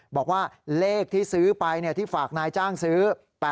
บอกว่าเลขที่ซื้อไปที่ฝากนายจ้างซื้อ๘๐